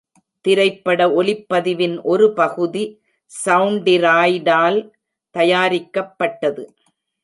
திரைப்பட ஒலிப்பதிவின் ஒரு பகுதி சவுண்ட்டிராய்டால் தயாரிக்கப்பட்டது.